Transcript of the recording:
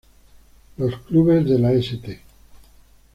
Los clubes de la St.